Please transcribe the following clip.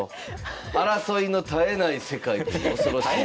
争いの絶えない世界という恐ろしい。